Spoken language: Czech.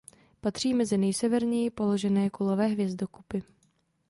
Patří mezi nejseverněji položené kulové hvězdokupy.